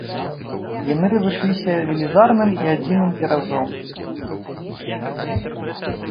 Яны разышліся велізарным і адзіным тыражом.